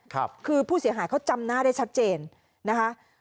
คือผู้เสียหายเขาจำหน้าได้ชัดเจนนะคะ